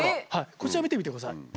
こちらを見てみてください。